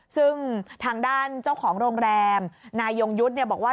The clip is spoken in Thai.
ซึ่งทางด้านเจ้าของโรงแรมนายยงยุทธ์บอกว่า